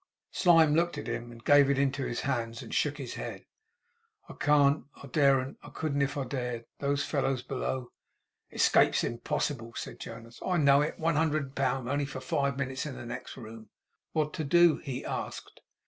Slyme looked at him; gave it into his hands; and shook his head. 'I can't. I daren't. I couldn't if I dared. Those fellows below ' 'Escape's impossible,' said Jonas. 'I know it. One hundred pound for only five minutes in the next room!' 'What to do?' he asked.